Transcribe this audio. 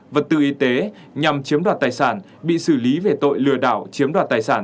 vật tư y tế nhằm chiếm đoạt tài sản bị xử lý về tội lừa đảo chiếm đoạt tài sản